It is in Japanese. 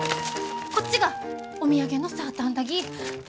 こっちがお土産のサーターアンダギー。